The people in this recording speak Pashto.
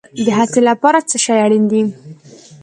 د هڅې لپاره څه شی اړین دی؟